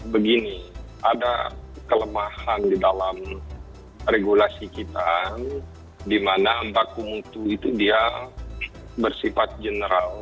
begini ada kelemahan di dalam regulasi kita di mana baku mutu itu dia bersifat general